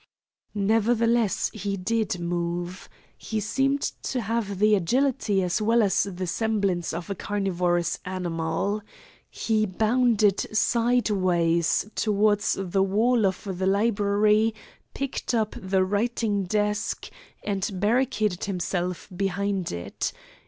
Nevertheless, he did move. He seemed to have the agility as well as the semblance of a carnivorous animal. He bounded sideways towards the wall of the library, picked up the writing desk, and barricaded himself behind it.